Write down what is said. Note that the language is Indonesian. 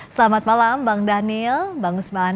selamat malam bang daniel bang usman